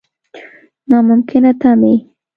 نا ممکنه تمې.